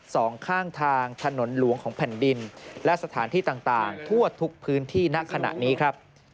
สองข้างทางถนนหลวงของแผ่นดินและสถานที่ต่างต่างทั่วทุกพื้นที่ณขณะนี้ครับ